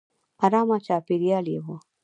ارامه چاپېریال یې و.